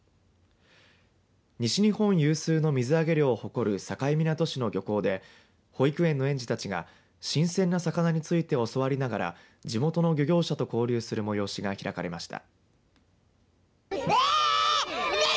西日本有数の水揚げ量を誇る境港市の漁港で保育園の園児たちが新鮮な魚について教わりながら地元の漁業者と交流する催しが開かれました。